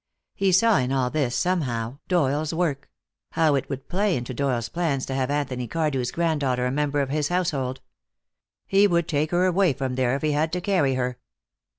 He saw in all this, somehow, Doyle's work; how it would play into Doyle's plans to have Anthony Cardew's granddaughter a member of his household. He would take her away from there if he had to carry her.